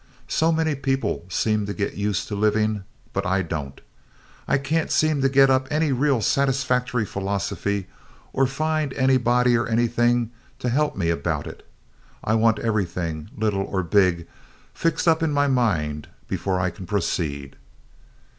So many people seem to get used to living, but I don't. I can't seem to get up any really satisfactory philosophy or find anybody or anything to help me about it. I want everything, little or big, fixed up in mind before I can proceed.